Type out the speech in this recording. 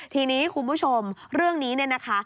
ทีนี้คุณผู้ชมเรื่องนี้เนี่ยนะคะ